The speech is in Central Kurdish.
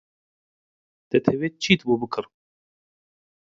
دەتەوێت چیت بۆ بکڕم؟